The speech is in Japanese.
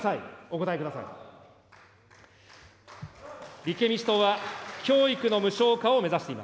お答えください。